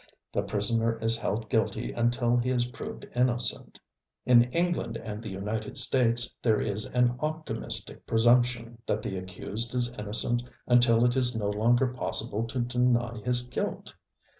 The prisoner is held guilty until he is proved innocent. In England and the United States there is an optimistic presumption that the accused is innocent until it is no longer possible to deny his guilt.